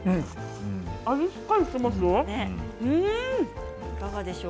味しっかりしています。